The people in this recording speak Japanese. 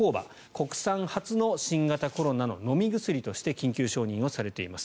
国産初の新型コロナの飲み薬として緊急承認されています。